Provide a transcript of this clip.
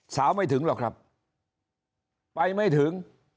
สาวไม่ถึงหรอกครับไปไม่ถึง